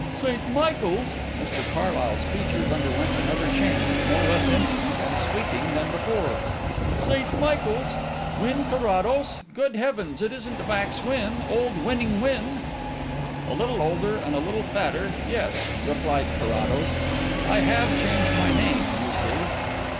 "St Michael's!" Mr Carlyle's features underwent another change, no less instant and sweeping than before. "St Michael's! Wynn Carrados? Good heavens! it isn't Max Wynn old 'Winning' Wynn?" "A little older and a little fatter yes," replied Carrados. "I have changed my name, you see."